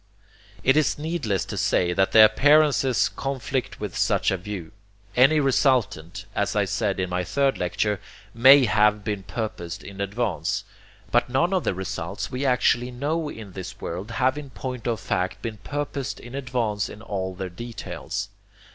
It is needless to say that the appearances conflict with such a view. Any resultant, as I said in my third lecture, MAY have been purposed in advance, but none of the results we actually know in is world have in point of fact been purposed in advance in all their details.